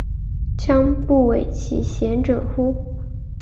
将不讳其嫌者乎？